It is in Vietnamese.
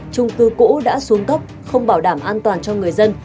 trung cư cũ đã xuống cấp không bảo đảm an toàn cho người dân